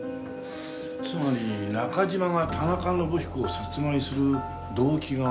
つまり中島が田中伸彦を殺害する動機が見当たらないと？